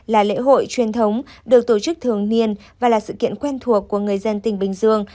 là lễ hội truyền thống được tổ chức thường niên và là sự kiện quen thuộc của người dân tỉnh bình dương